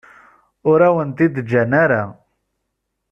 Ur awen-t-id-ǧǧan ara.